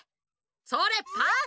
それっパス！